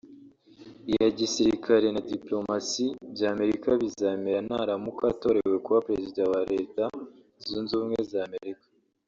iya gisirikare na dipolomasi by’ Amerika bizamera naramuka atorewe kuba Perezida wa Leta Zunze Ubumwe za Amerika